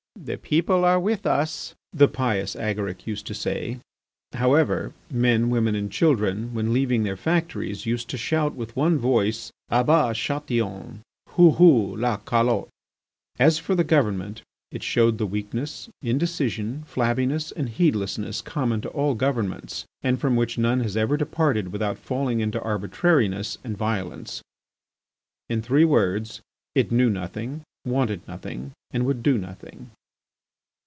"The people are with us," the pious Agaric used to say. However, men, women, and children, when leaving their factories, used to shout with one voice: A bas Chatillon! Hou! Hou! la calotte! As for the government, it showed the weakness, indecision, flabbiness, and heedlessness common to all governments, and from which none has ever departed without falling into arbitrariness and violence. In three words it knew nothing, wanted nothing, and would do nothing.